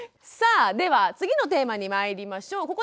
さあでは次のテーマにまいりましょう。